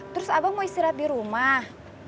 terus abang mau istirahat di rumah